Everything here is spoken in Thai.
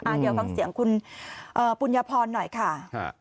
เดี๋ยวฟังเสียงคุณปุญญพรหน่อยค่ะ